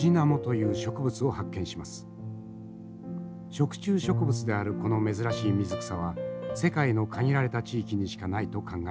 食虫植物であるこの珍しい水草は世界の限られた地域にしかないと考えられていました。